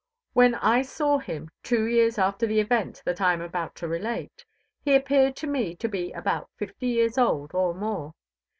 When I saw him, two years after the event that I am about to relate, he appeared to me to be about fifty years old or more.